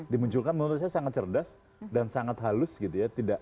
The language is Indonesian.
dimunculkan menurut saya sangat cerdas dan sangat halus gitu ya